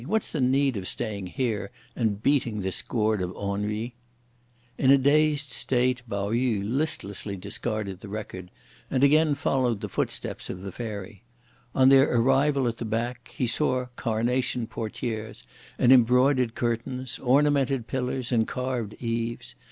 What's the need of staying here and beating this gourd of ennui?" In a dazed state, Pao yü listlessly discarded the record, and again followed in the footsteps of the Fairy. On their arrival at the back, he saw carnation portières, and embroidered curtains, ornamented pillars, and carved eaves.